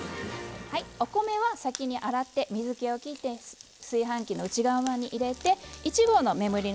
お米は先に洗って水けをきって炊飯器の内釜に入れて１合の目盛りのところまでお水が入っています。